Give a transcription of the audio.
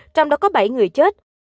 trong đó có bảy người chết